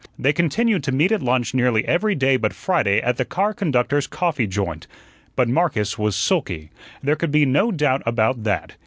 They continued to meet at lunch nearly every day but Friday at the car conductors' coffee joint. But Marcus was sulky; there could be no doubt about that.